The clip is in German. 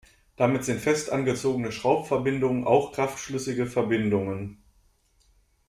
Damit sind fest angezogene Schraubverbindungen auch kraftschlüssige Verbindungen.